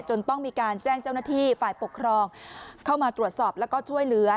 ต้องมีการแจ้งเจ้าหน้าที่ฝ่ายปกครองเข้ามาตรวจสอบแล้วก็ช่วยเหลือ